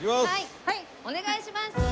はいお願いします。